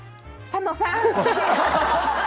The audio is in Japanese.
佐野さん！